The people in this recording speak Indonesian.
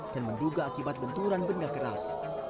dan menduga akibat benturan benda keras